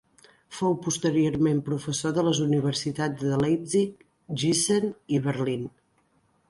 Fou posteriorment professor de les Universitats de Leipzig, Giessen i Berlín.